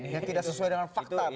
yang tidak sesuai dengan fakta